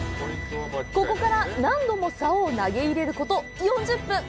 ここから何度もさおを投げ入れること４０分。